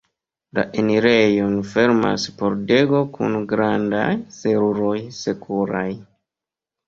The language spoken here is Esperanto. La enirejon fermas pordego kun grandaj seruroj sekuraj.